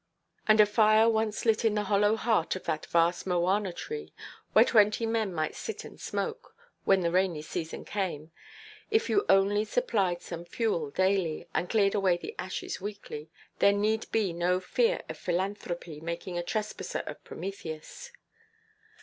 And a fire once lit in the hollow heart of that vast mowana–tree (where twenty men might sit and smoke, when the rainy season came), if you only supplied some fuel daily, and cleared away the ashes weekly, there need be no fear of philanthropy making a trespasser of Prometheus.